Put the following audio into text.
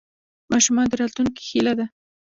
ماشومان د راتلونکي هیله ده.